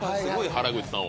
原口さんは。